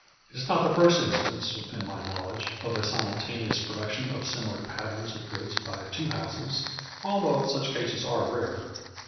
It is not the first instance within my knowledge of a simultaneous production of similar patterns of goods by two houses, although such cases are rare.